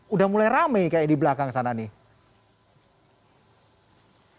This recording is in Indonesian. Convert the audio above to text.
udah mulai rame kayak di belakang sana nih